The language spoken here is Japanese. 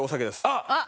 あっ！